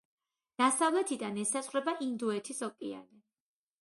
დასავლეთიდან ესაზღვრება ინდოეთის ოკეანე.